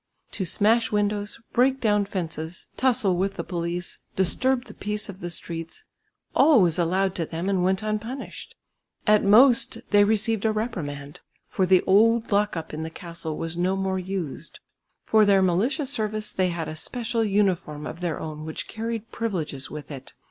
To smash windows, break down fences, tussle with the police, disturb the peace of the streets, all was allowed to them and went unpunished; at most they received a reprimand, for the old lock up in the castle was no more used. For their militia service they had a special uniform of their own which carried privileges with it.